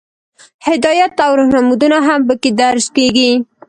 هدایات او رهنمودونه هم پکې درج کیږي.